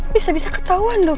bisa bisa ketauan dong